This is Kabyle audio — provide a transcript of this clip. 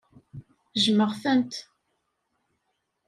Jjmeɣ-tent.